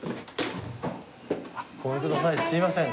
ごめんくださいすみません。